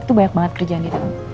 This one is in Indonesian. itu banyak banget kerjaan di dalam